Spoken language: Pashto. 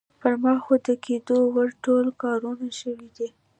پر ما خو د کېدو وړ ټول کارونه شوي دي.